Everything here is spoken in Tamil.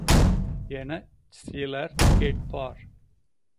எனச் சிலர் கேட்பார்.